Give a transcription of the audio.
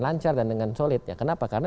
lancar dan dengan solid ya kenapa karena